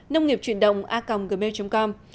nông nghiệp chuyển động a gmail com